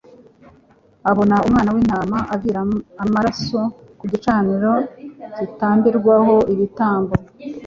Abona umwana w'intama uvira amaraso ku gicaniro gitambirwaho ibitambo